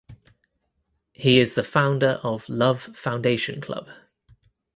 He is the founder of Love Foundation Club.